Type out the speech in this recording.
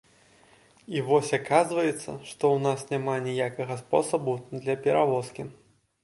І вось аказваецца, што ў нас няма ніякага спосабу для перавозкі.